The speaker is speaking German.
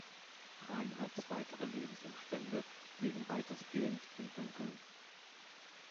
Reinhards weitere Lebensumstände liegen weitestgehend im Dunkeln.